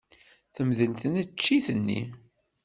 Temdel tneččit-nni.